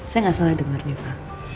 saya enggak salah dengar niva